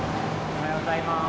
おはようございます。